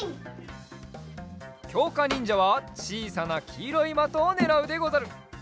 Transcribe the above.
きょうかにんじゃはちいさなきいろいまとをねらうでござる。